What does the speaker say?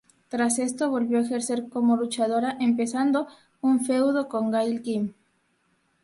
Tras esto, volvió a ejercer como luchadora, empezando un feudo con Gail Kim.